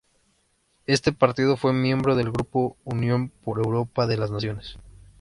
Este partido fue miembro del grupo Unión por la Europa de las Naciones.